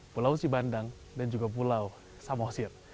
pulau sibandang dan juga pulau samosir